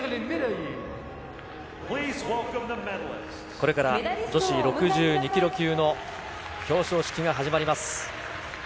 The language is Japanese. これから女子６２キロ級の表彰式が始まります。